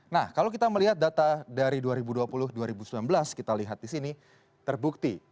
nah kalau kita melihat data dari dua ribu dua puluh dua ribu sembilan belas kita lihat di sini terbukti